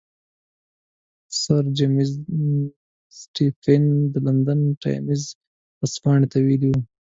سر جیمز سټیفن د لندن ټایمز ورځپاڼې ته ویلي وو.